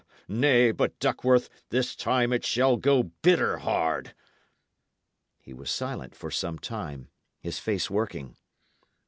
Nay, but, Duckworth, this time it shall go bitter hard!" He was silent for some time, his face working.